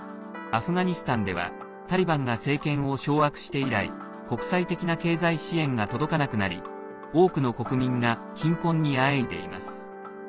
アフガニスタンではタリバンが政権を掌握して以来国際的な経済支援が届かなくなり多くの国民が貧困にあえいでいます。